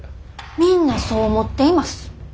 みんなそう思っています。